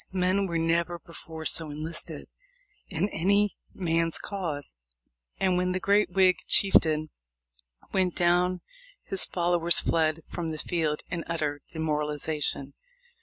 Men were never before so enlisted in any man's cause, and when the great Whig chief tain went down his followers fled from the field in utter demoralization.